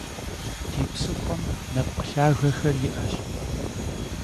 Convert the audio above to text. Di psıxhuem nepkh lhagexer yi'eş ,